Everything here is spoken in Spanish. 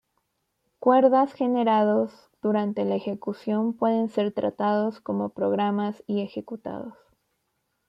Cuerdas generados durante la ejecución pueden ser tratados como programas y ejecutados.